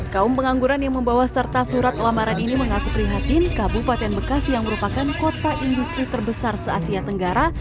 kaum pengangguran yang membawa serta surat lamaran ini mengaku prihatin kabupaten bekasi yang merupakan kota industri terbesar se asia tenggara